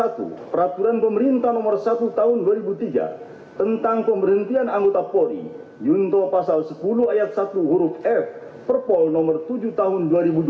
peraturan pemerintah nomor satu tahun dua ribu tiga tentang pemberhentian anggota polri junto pasal sepuluh ayat satu huruf f perpol nomor tujuh tahun dua ribu dua puluh